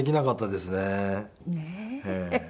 ねえ。